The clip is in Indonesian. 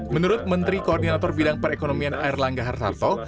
menurut menteri koordinator bidang perekonomian air langga hartarto